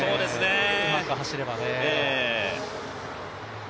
うまく走ればね。